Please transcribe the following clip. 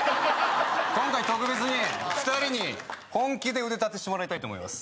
今回特別に２人に本気で腕立てしてもらいたいと思います